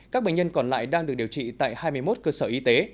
các bệnh nhân còn lại đang được điều trị tại hai mươi một cơ sở y tế